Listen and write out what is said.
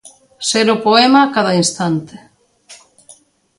Ser o poema, a cada instante.